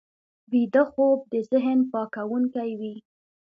ویده خوب د ذهن پاکوونکی وي